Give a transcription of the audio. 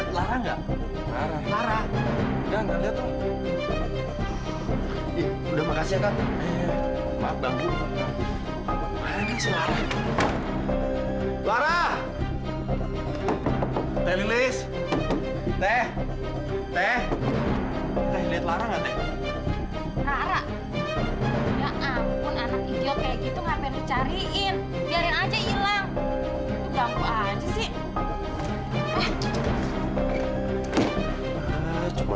tuh kemana sih lara